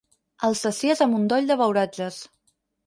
El sacies amb un doll de beuratges.